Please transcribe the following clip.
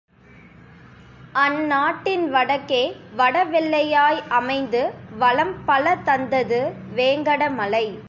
அந்நாட்டின் வடக்கே வடவெல்லை யாய் அமைந்து வளம் பல தந்தது வேங்கடமலை.